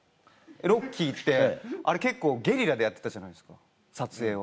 『ロッキー』って結構ゲリラでやってたじゃないですか撮影を。